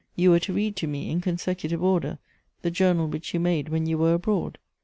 You were to read to me, in consecutive order, the journal which you made Avhcn you were abroad.